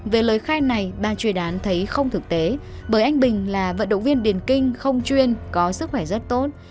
về lời khai này ban chuyên án thấy không thực tế bởi anh bình là vận động viên điền kinh không chuyên có sức khỏe rất tốt